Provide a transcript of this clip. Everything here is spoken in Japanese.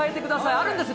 あるんですか？